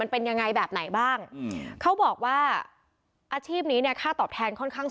มันเป็นยังไงแบบไหนบ้าง